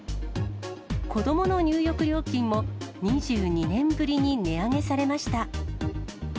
子どもの入浴料金も２２年ぶりに値上げされました。